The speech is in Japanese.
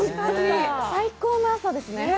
最高の朝ですね。